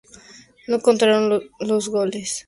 No contaron los goles de visita.